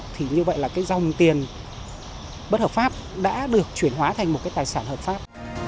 thì như vậy là dòng tiền bất hợp pháp đã được chuyển hóa thành một tài sản hợp pháp